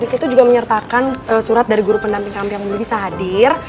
disitu juga menyertakan surat dari guru pendamping kami yang belum bisa hadir